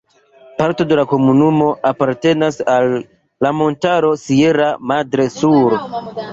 Parto de la komunumo apartenas al la montaro "Sierra Madre Sur".